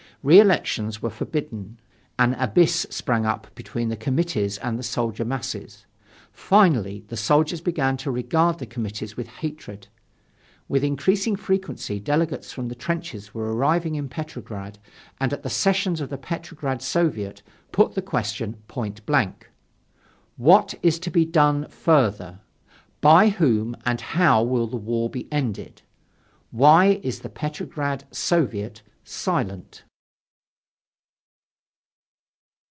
Re elections were forbidden. An abyss sprang up between the committees and the soldier masses. Finally the soldiers began to regard the committees with hatred. With increasing frequency delegates from the trenches were arriving in Petrograd and at the sessions of the Petrograd Soviet put the question point blank: "What is to be done further? By whom and how will the war be ended? Why is the Petrograd Soviet silent?"